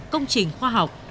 công trình khoa học